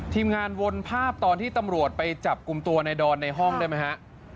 ทีมงานวนภาพตอนที่ตำรวจไปจับกลุ่มตัวในดอนในห้องได้ไหมฮะ